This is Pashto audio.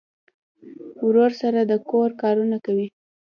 ورور سره د کور کارونه کوي.